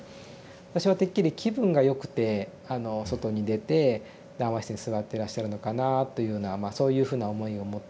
私はてっきり気分が良くて外に出て談話室に座ってらっしゃるのかなというようなそういうふうな思いを持ってですね